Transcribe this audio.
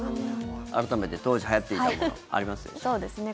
改めて当時はやっていたものありますでしょうか。